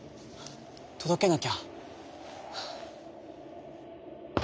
とどけなきゃ」。